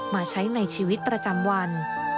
มาใช้ในชีวิตประจำวัน